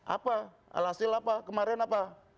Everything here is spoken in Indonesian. apa alhasil apa kemarin apa